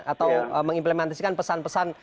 atau mengimplementasikan pesan pesan